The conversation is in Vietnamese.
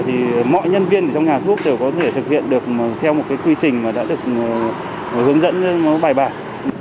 thì mọi nhân viên trong nhà thuốc đều có thể thực hiện được theo một quy trình đã được hướng dẫn bài bài